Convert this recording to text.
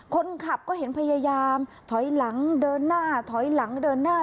คนขับก็เห็นพยายามถอยหลังเดินหน้าถอยหลังเดินหน้า